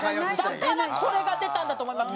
だからこれが出たんだと思います。